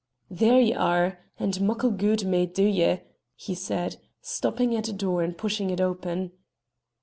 "There ye are! and muckle gude may it dae ye," he said, stopping at a door and pushing it open.